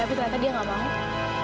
tapi ternyata dia gak mau